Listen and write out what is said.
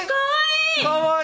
かわいい！